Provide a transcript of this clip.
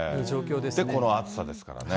で、この暑さですからね。